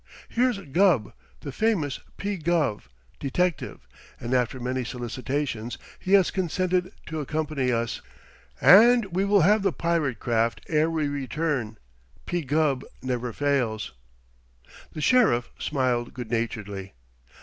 Here's Gubb, the famous P. Gubb, detective, and after many solicitations he has consented to accompany us. We will have the pirate craft ere we return. P. Gubb never fails." The Sheriff smiled good naturedly.